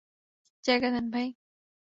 জায়গা দেন, ভাই!